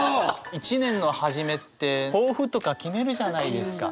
一年の初めって抱負とか決めるじゃないですか。